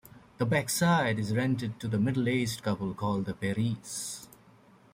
The back side is rented to a middle-aged couple called the Perries.